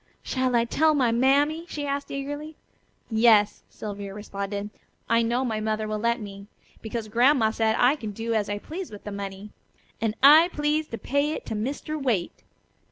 "Shall I tell my mammy?" she asked eagerly. "Yes," Sylvia responded. "I know my mother will let me. Because Grandma said I could do as I pleased with the money. And I please to pay it to Mr. Waite."